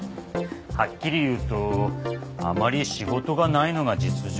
はっきり言うとあまり仕事がないのが実情で。